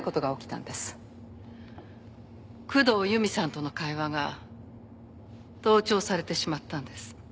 工藤由美さんとの会話が盗聴されてしまったんです。